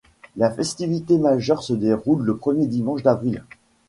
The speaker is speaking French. La festivité majeure se déroule le premier dimanche d'avril.